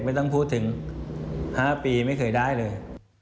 ไม่ต้องพูดถึง๕ปีไม่เคยได้เลย